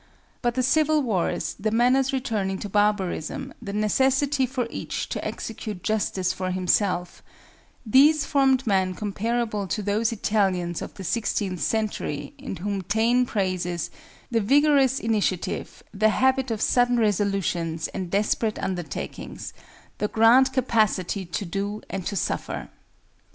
But the civil wars, the manners returning to barbarism, the necessity for each to execute justice for himself,—these formed men comparable to those Italians of the sixteenth century, in whom Taine praises 'the vigorous initiative, the habit of sudden resolutions and desperate undertakings, the grand capacity to do and to suffer.